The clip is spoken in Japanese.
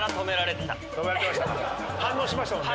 反応しましたもんね。